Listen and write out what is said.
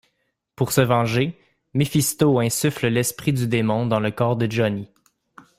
Pour se venger, Méphisto insuffle l'esprit du démon dans le corps de Johnny.